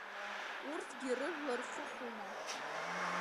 Урҭгьы рыжәла рхыхума?